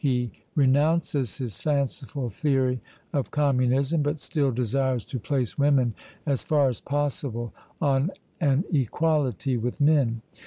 He renounces his fanciful theory of communism, but still desires to place women as far as possible on an equality with men.